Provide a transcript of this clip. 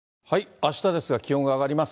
あしたですが、気温が上がります。